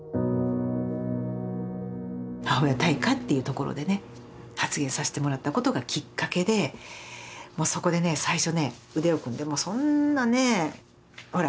母親大会っていうところでね発言させてもらったことがきっかけでそこでね最初ね腕を組んでそんなねほら